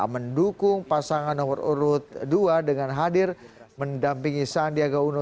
mendukung pasangan nomor urut dua dengan hadir mendampingi sandiaga uno